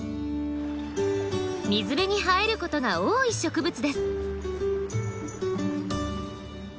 水辺に生えることが多い植物です。